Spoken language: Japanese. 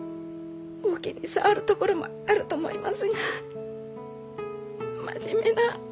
お気に障るところもあると思いますがまじめな。